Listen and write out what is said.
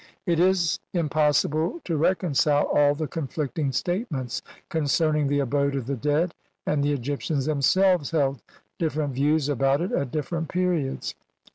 1 It is impossible to recon cile all the conflicting statements concerning the abode of the dead, and the Egyptians themselves held differ ent views about it at different periods.